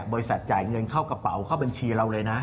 จ่ายเงินเข้ากระเป๋าเข้าบัญชีเราเลยนะ